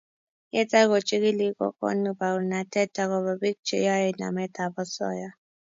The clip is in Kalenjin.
Yetar kochigili kokon baornatet agobo bik cheyoei nametab osoya